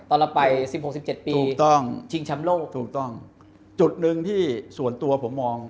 ตอนเราไป๑๖๑๗ปีชิงชำโลกถูกต้องจุดนึงที่ส่วนตัวผมมอง